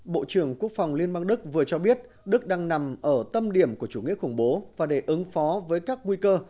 bộ trưởng quốc phòng liên bang đức vừa cho biết đức đang nằm ở tâm điểm của chủ nghĩa khủng bố và để ứng phó với các nguy cơ